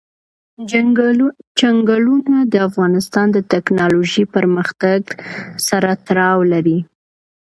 چنګلونه د افغانستان د تکنالوژۍ پرمختګ سره تړاو لري.